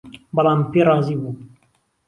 بەڵام من پێی رازی بووم